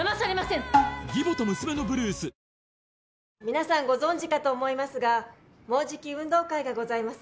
皆さんご存じかと思いますがもうじき運動会がございます